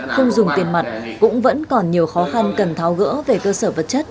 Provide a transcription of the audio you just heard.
không dùng tiền mặt cũng vẫn còn nhiều khó khăn cần tháo gỡ về cơ sở vật chất